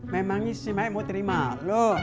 memangnya si maya mau terima lu